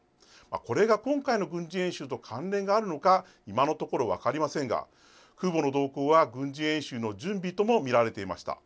これが今回の軍事演習と関連があるのか今のところ分かりませんが空母の動向は軍事演習の準備とも見られていました。